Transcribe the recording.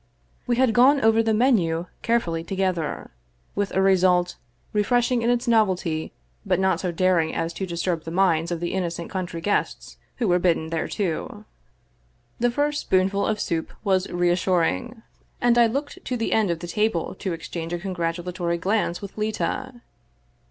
We had gone over the menu carefully together, with a result refreshing in its novelty, but not so daring as to disturb the minds of the innocent country guests who were bidden thereto. The first spoonful of soup was reassuring, and I looked 265 English Mystery Stories to the end of the table to exchange a congratulatory glance with Leta.